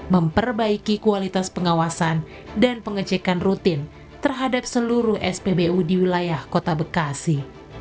memperbaiki kualitas pengawasan dan pengecekan rutin terhadap seluruh spbu di wilayah kota bekasi